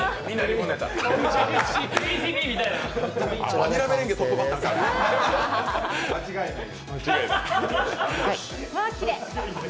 バニラメレンゲ、トップバッターか、間違いない。